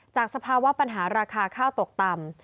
สภาวะปัญหาราคาข้าวตกต่ำ